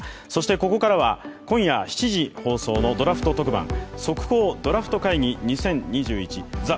ここからは今夜７時放送のドラフト特番、「速報ドラフト会議２０２１ＴＨＥ